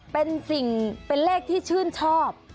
เป็นเลขที่ชื่นชอบ